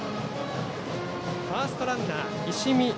ファーストランナー、石見